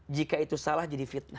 jika itu salah jadi fitnah